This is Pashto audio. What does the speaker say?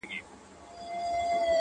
زما له میني لوی ښارونه لمبه کیږي-